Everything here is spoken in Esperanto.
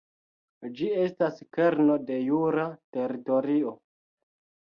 Ĝi estas kerno de jura teritorio.